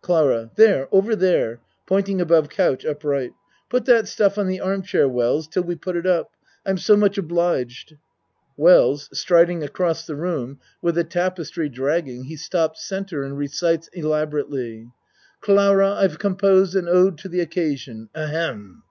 CLARA There over there. (Pointing above couch up R. Put that stuff on the arm chair, Wells till we put it up. I'm so much obliged. WELLS (Striding across the room with the tap ACT II 57 estry dragging he stops C. and recites elaborately.) Clara, I've composed an ode to the occasion. Ahem!